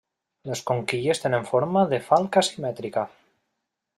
Les conquilles tenen forma de falca asimètrica.